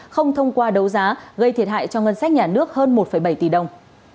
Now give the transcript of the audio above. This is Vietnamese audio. không thông qua đấu giá gây thiệt hại cho ngân sách nhà nước hơn một bảy tỷ đồng